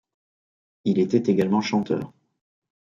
Il était également chanteur.